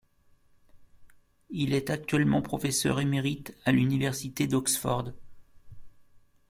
Il est actuellement professeur émérite à l'Université d'Oxford.